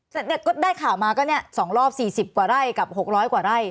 ก็ได้ข่าวมาก็เนี่ย๒รอบ๔๐กว่าไร่กับ๖๐๐กว่าไร่